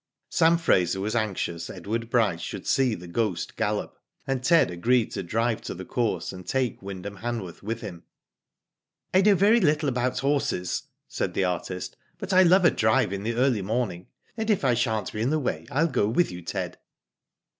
Sam Fraser was anxious Edward Bryce should see The Ghost gallop, and Ted agreed to drive to the course, and take Wyndham Hanworth with him. "I know very little about horses," said the artist, '^but I love a drive in the early morning, and if I shan't be in the way Til go with you, Ted."